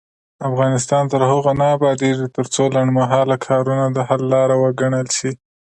افغانستان تر هغو نه ابادیږي، ترڅو لنډمهاله کارونه د حل لاره وګڼل شي.